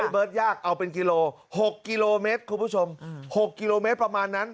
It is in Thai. เบิร์ตยากเอาเป็นกิโล๖กิโลเมตรคุณผู้ชม๖กิโลเมตรประมาณนั้น